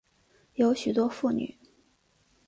有许多妇女